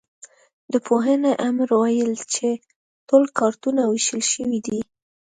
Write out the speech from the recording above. د پوهنې امر ویل چې ټول کارتونه وېشل شوي دي.